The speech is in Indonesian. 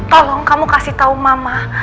tolong kamu kasih tahu mama